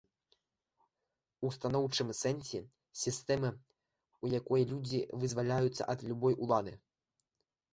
У станоўчым сэнсе, сістэма, у якой людзі вызваляюцца ад любой улады.